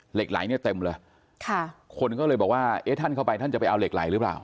เหล็กไหลเนี่ยเต็มเลยค่ะคนก็เลยบอกว่าเอ๊ะท่านเข้าไปท่านจะไปเอาเหล็กไหลหรือเปล่า